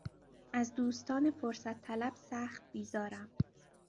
از دوستان فرصت طلب سخت بیزارم.